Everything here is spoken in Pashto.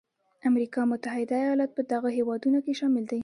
امریکا متحده ایالات په دغو هېوادونو کې شامل دی.